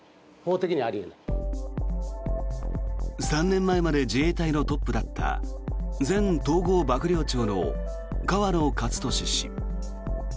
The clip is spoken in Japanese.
３年前まで自衛隊のトップだった前統合幕僚長の河野克俊氏。